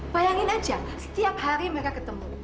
bayangin aja setiap hari mereka ketemu